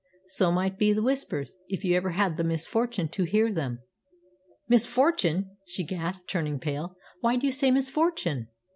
"So might be the Whispers, if ever you had the misfortune to hear them." "Misfortune!" she gasped, turning pale. "Why do you say misfortune?"